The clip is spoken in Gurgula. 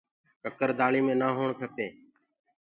ڪڪر دآݪی مي نآ هوڻ کپينٚ۔